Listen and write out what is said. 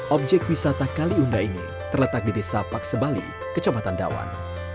objek wisata kaliunda ini terletak di desa paksebali kecamatan dawan